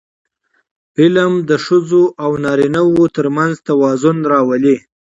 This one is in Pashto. علم د ښځو او نارینهوو ترمنځ توازن راولي.